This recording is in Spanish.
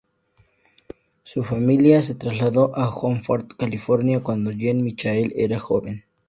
Su familia se trasladó a Hanford, California, cuando Jan-Michael era joven.